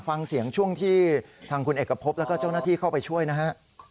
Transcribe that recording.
ฟังเสียงช่วงที่ทางคุณเอกพบแล้วก็เจ้าหน้าที่เข้าไปช่วยนะฮะ